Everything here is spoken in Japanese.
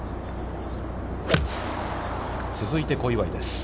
続いて、小祝です。